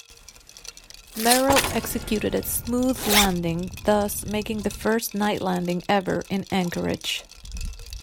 Merrill executed a smooth landing, thus making the first night landing ever in Anchorage.